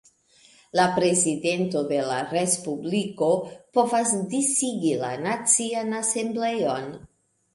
La Prezidento de la Respubliko povas disigi la Nacian Asembleon.